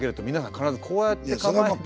必ずこうやって構えてて。